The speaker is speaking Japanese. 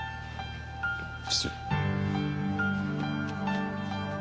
失礼。